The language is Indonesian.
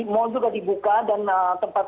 mall juga dibuka dan tempat